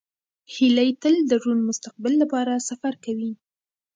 هیلۍ تل د روڼ مستقبل لپاره سفر کوي